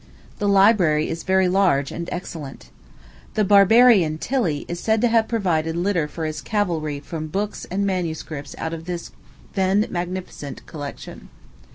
The library is very large and excellent. The barbarian Tilly is said to have provided litter for his cavalry from books and MSS. out of this then magnificent collection.